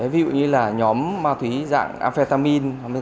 ví dụ như là nhóm ma túy dạng amphetamine